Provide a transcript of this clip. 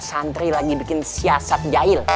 santri lagi bikin siasat jail